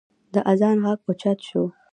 د اذان غږ اوچت شو.